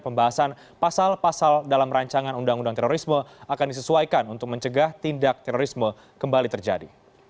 pembahasan pasal pasal dalam rancangan undang undang terorisme akan disesuaikan untuk mencegah tindak terorisme kembali terjadi